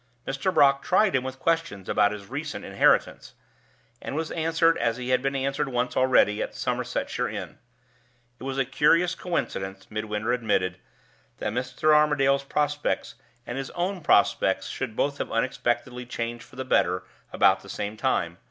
Mr. Brock tried him with questions about his recent inheritance, and was answered as he had been answered once already at the Somersetshire inn. It was a curious coincidence, Midwinter admitted, that Mr. Armadale's prospects and his own prospects should both have unexpectedly changed for the better about the same time.